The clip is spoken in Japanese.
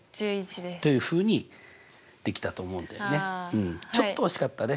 うんちょっと惜しかったね。